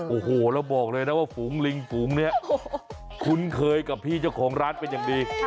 โอ้โหแล้วบอกเลยนะว่าฝูงลิงฝูงเนี่ยคุ้นเคยกับพี่เจ้าของร้านเป็นอย่างดี